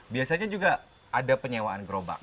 biasanya juga ada penyewaan gerobak